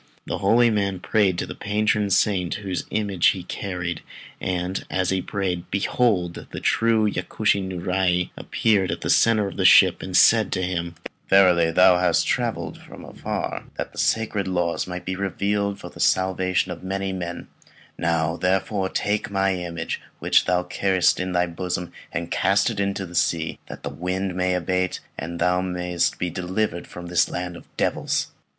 Then the holy man prayed to the patron saint whose image he carried, and as he prayed, behold the true Yakushi Niurai appeared in the centre of the ship, and said to him "Verily, thou hast travelled far that the sacred laws might be revealed for the salvation of many men; now, therefore, take my image, which thou carriest in thy bosom, and cast it into the sea, that the wind may abate, and that thou mayest be delivered from this land of devils."